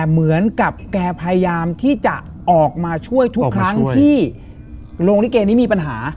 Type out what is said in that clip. เหมือนกับแกพยายามที่จะออกมาช่วยทุกครั้งที่โรงลิเกนี้มีปัญหา